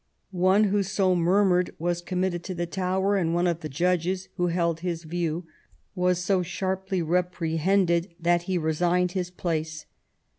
One who so murmured was committed to the Tower; and one of the judges, who held his view, was so sharply reprehended that he resigned his place".